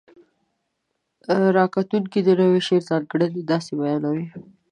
ره کتونکي د نوي شعر ځانګړنې داسې بیانوي: